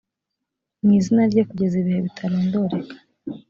mu izina rye kugeza ibihe bitarondoreka